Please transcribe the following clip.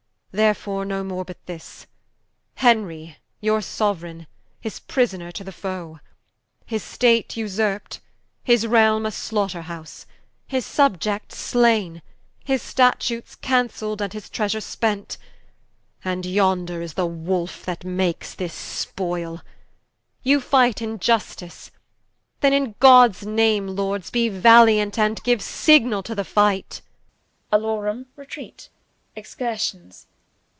Therefore no more but this: Henry your Soueraigne Is Prisoner to the Foe, his State vsurp'd, His Realme a slaughter house, his Subiects slaine, His Statutes cancell'd, and his Treasure spent: And yonder is the Wolfe, that makes this spoyle. You fight in Iustice: then in Gods Name, Lords, Be valiant, and giue signall to the fight. Alarum, Retreat, Excursions.